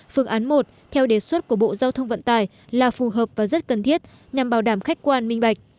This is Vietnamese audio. phương án một theo đề xuất của bộ giao thông vận tải là phù hợp và rất cần thiết nhằm bảo đảm khách quan minh bạch